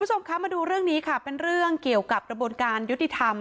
คุณผู้ชมคะมาดูเรื่องนี้ค่ะเป็นเรื่องเกี่ยวกับกระบวนการยุติธรรม